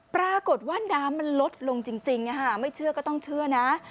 ปรากฏว่าน้ำมันลดลงจริงไม่เชื่อก็ต้องเชื่อนะ